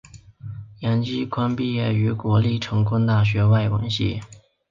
杨基宽毕业于国立成功大学外文系。